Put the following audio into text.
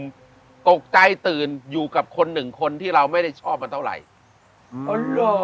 มันตกใจตื่นอยู่กับคนหนึ่งคนที่เราไม่ได้ชอบมันเท่าไหร่